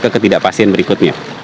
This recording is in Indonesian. ke ketidakpastian berikutnya